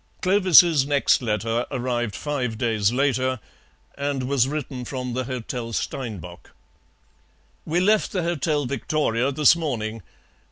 Clovis's next letter arrived five days later, and was written from the Hotel Steinbock. "We left the Hotel Victoria this morning.